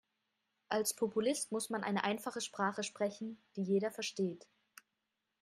Als Populist muss man eine einfache Sprache sprechen, die jeder versteht.